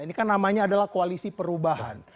ini kan namanya adalah koalisi perubahan